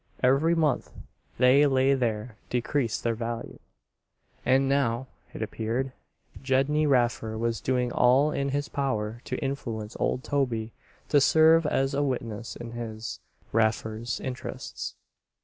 Every month they lay there decreased their value. And now, it appeared, Gedney Raffer was doing all in his power to influence old Toby to serve as a witness in his, Raffer's, interests.